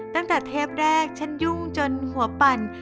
ตั้งแต่เทปแรกฉันยุ่งจนหัวปั่น